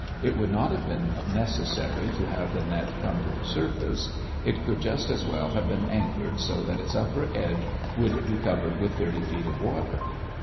It would not have been necessary to have the net come to the surface. It could just as well have been anchored so that its upper edge would be covered with thirty feet of water.